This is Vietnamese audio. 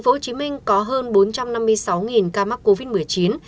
tp hcm có hơn bốn trăm năm mươi sáu ca mắc covid một mươi chín